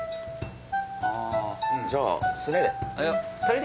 あじゃあスネで。